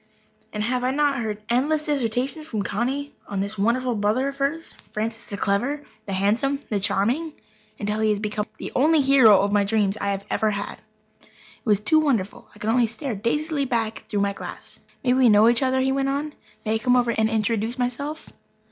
And have I not heard endless dissertations from Connie on this wonderful brother of hers, Francis the clever, the handsome, the charming, until he has become the only hero of dreams I have ever had? It was too wonderful. I could only stare dazedly back through my glass. "May we know each other?" he went on. "May I come over and introduce myself?